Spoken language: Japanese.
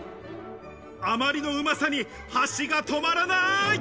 あまりのうまさに箸が止まらない。